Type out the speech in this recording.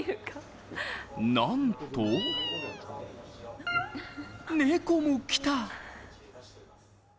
なんと、猫も来た。